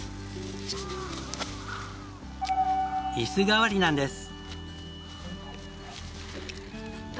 椅子代わりなんです。